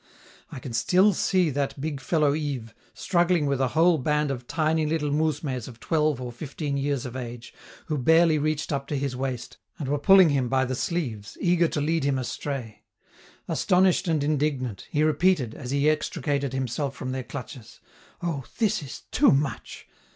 I can still see that big fellow Yves, struggling with a whole band of tiny little 'mousmes' of twelve or fifteen years of age, who barely reached up to his waist, and were pulling him by the sleeves, eager to lead him astray. Astonished and indignant, he repeated, as he extricated himself from their clutches, "Oh, this is too much!"